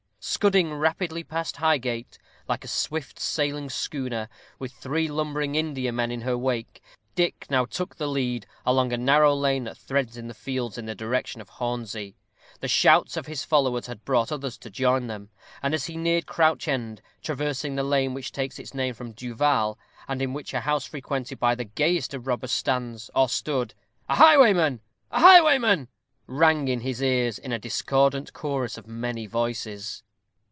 Scudding rapidly past Highgate, like a swift sailing schooner, with three lumbering Indiamen in her wake, Dick now took the lead along a narrow lane that threads the fields in the direction of Hornsey. The shouts of his followers had brought others to join them, and as he neared Crouch End, traversing the lane which takes its name from Du Val, and in which a house frequented by that gayest of robbers stands, or stood, "A highwayman! a highwayman!" rang in his ears, in a discordant chorus of many voices.